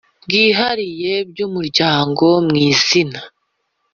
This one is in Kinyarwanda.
bwihariye by umuryango mu izina